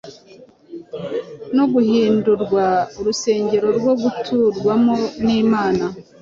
no guhindurwa urusengero rwo guturwamo n’Imana.